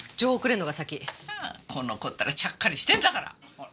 この子ったらちゃっかりしてんだから！